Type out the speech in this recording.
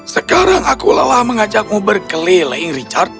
sekarang aku lelah mengajakmu berkeliling richard